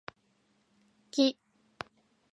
木